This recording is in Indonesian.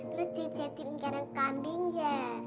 terus dijadikan kanakambi ya